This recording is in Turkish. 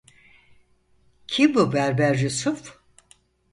Kim bu berber Yusuf?